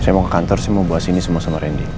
saya mau ke kantor saya mau bawa sini semua sama rena